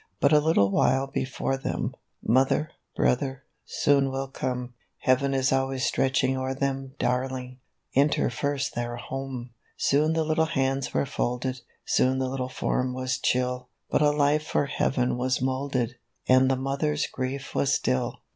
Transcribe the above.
44 4 But a little while before them, Mother, Brother, soon will come ; Heaven is always stretching o'er them Darling ! enter first their home !'" Soon the little hands were folded; Soon the little form was chill ; But a life for Heaven was moulded, And the Mother's grief was still.